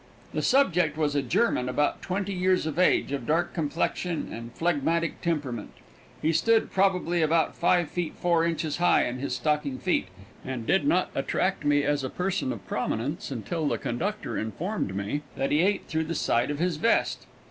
The subject was a German about twenty years of age, of dark complexion and phlegmatic temperament. He stood probably about five feet four inches high in his stocking feet and did not attract me as a person of prominence until the conductor informed me that he ate through the side of his vest.